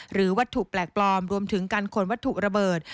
หรือวัตถุแปลกปลอมรวมถึงการขนวัตถุระเบิด